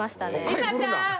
梨紗ちゃん！